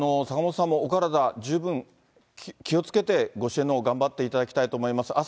坂本さんもお体、十分気をつけて、ご支援のほう、頑張っていただきたいと思います。